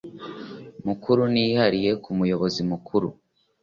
mukuru n iyihariye ku muyobozi mukuru